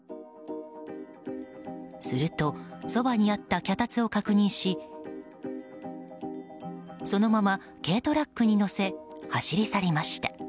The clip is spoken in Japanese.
すると、そばにあった脚立を確認しそのまま軽トラックに載せ走り去りました。